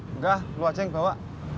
enggak lu aja yang bawa